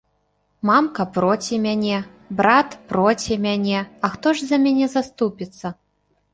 Мамка проці мяне, брат проці мяне, а хто ж за мяне заступіцца?